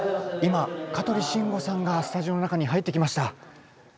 今香取慎吾さんがスタジオの中に入ってきました。